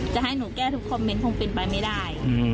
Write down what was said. จะให้หนูแก้ทุกคอมเมนต์คงเป็นไปไม่ได้